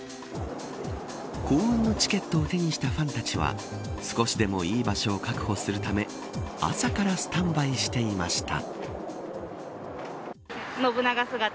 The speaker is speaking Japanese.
幸運のチケットを手にしたファンたちは少しでもいい場所を確保するため朝からスタンバイしていました。